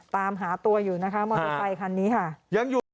ตามหาตัวอยู่นะคะมอโตรไซค์คันนี้ค่ะ